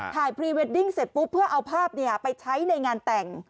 พรีเวดดิ้งเสร็จปุ๊บเพื่อเอาภาพไปใช้ในงานแต่ง